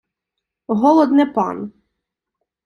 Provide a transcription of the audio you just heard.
Голод не пан.